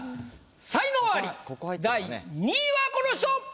才能アリ第２位はこの人！